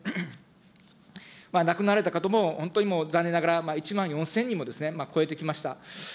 亡くなられた方も、本当にもう残念ながら１万４０００人も超えてきました。